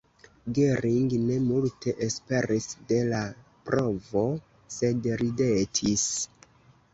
Gering ne multe esperis de la provo, sed ridetis.